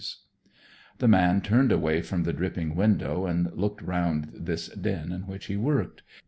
The man turned away from the dripping window, and looked round this den in which he worked.